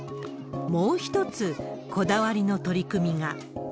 もう一つ、こだわりの取り組みが。